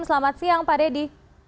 selamat siang pak deddy